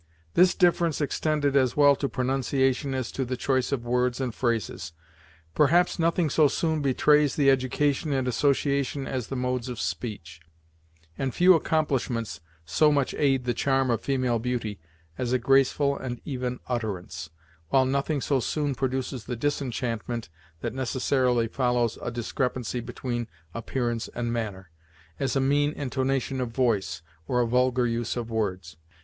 This difference extended as well to pronunciation as to the choice of words and phrases. Perhaps nothing so soon betrays the education and association as the modes of speech; and few accomplishments so much aid the charm of female beauty as a graceful and even utterance, while nothing so soon produces the disenchantment that necessarily follows a discrepancy between appearance and manner, as a mean intonation of voice, or a vulgar use of words.